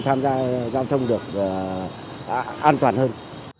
tham gia giao thông được an toàn hơn